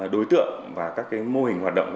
đối tượng và các cái mô hình hoạt động